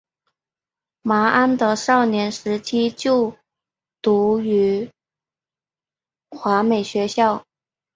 麻安德少年时期就读于华美学校。